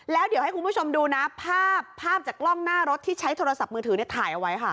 แล้วเดี๋ยวให้คุณผู้ชมดูนะภาพภาพจากกล้องหน้ารถที่ใช้โทรศัพท์มือถือถ่ายเอาไว้ค่ะ